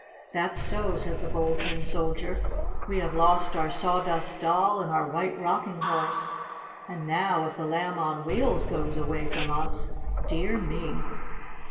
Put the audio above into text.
"That's so," said the Bold Tin Soldier. "We have lost our Sawdust Doll and our White Rocking Horse, and now, if the Lamb on Wheels goes away from us dear me!"